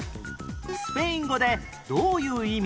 スペイン語でどういう意味？